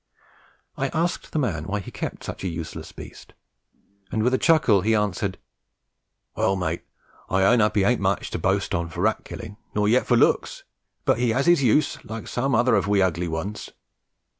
I asked the man why he kept such a useless beast, and with a chuckle he answered, "Well, mate, I'll own up he ain't much to boast on for rat killing, nor yet for looks, but he has his use like some other of we h ugly ones.